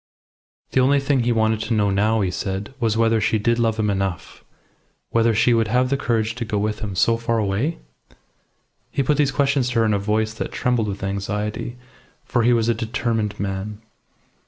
The only thing he wanted to know now, he said, was whether she did love him enough whether she would have the courage to go with him so far away? He put these questions to her in a voice that trembled with anxiety for he was a determined man.